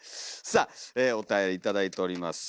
さあおたより頂いております。